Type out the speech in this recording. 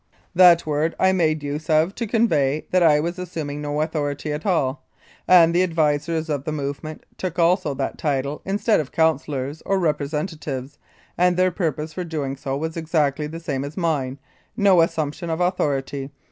That word I made use of to convey that I was assuming no authority at all. And the advisers of the movement took also that title instead of councillors or representatives, and their purpose for doing so was exactly the same as mine, no assumption of authority.